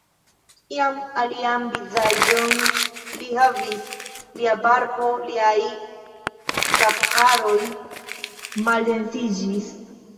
Ian alian vizaĝon li havis, lia barbo, liaj kapharoj maldensiĝis.